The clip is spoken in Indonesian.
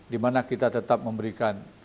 dimana kita tetap memberikan